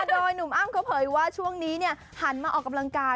โดยหนุ่มอ้ำเขาเผยว่าช่วงนี้หันมาออกกำลังกาย